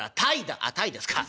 「ああたいですか。